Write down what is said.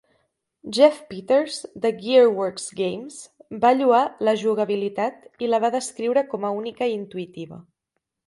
Jeff Peters, de GearWorks Games, va lloar la jugabilitat i la va descriure com a única i intuïtiva.